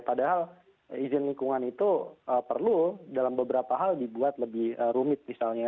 padahal izin lingkungan itu perlu dalam beberapa hal dibuat lebih rumit misalnya